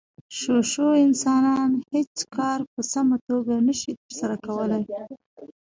شو شو انسانان هېڅ کار په سمه توګه نشي ترسره کولی.